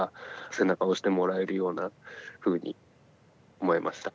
背中を押してもらえるようなふうに思えました。